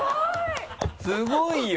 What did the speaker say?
すごいよ！